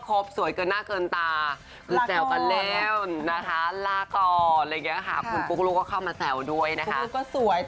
คบสวยกนหน้าเกินตาแล้วนะคะลาก่อนเลยนะฮะวุรุ่ก็เข้ามาแซวมาด้วยนะฮะตัวสวย